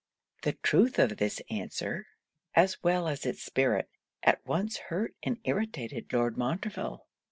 The truth of this answer, as well as it's spirit, at once hurt and irritated Lord Montreville.